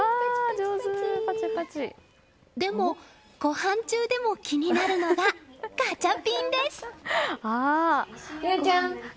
でも、ごはん中でも気になるのがガチャピンです！